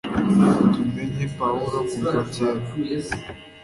Tumenye Pawulo kuva kera.